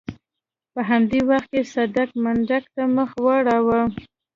په همدې وخت کې صدک منډک ته مخ واړاوه.